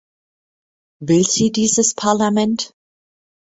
Will sie dieses Parlament?